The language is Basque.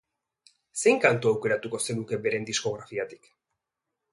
Zein kantu aukeratuko zenuke beren diskografiatik?